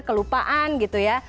kelupaan gitu ya